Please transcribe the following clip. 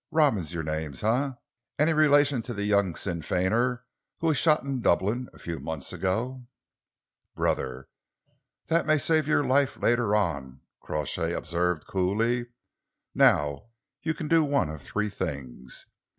"Robins, your name, eh? Any relation to the young Sinn Feiner who was shot in Dublin a few months ago?" "Brother." "That may save your life later on," Crawshay observed coolly. "Now you can do one of three things.